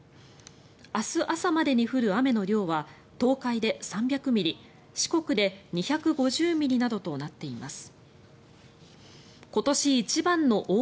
明日朝までに降る雨の量は東海で３００ミリ四国で２５０ミリなどとなっています。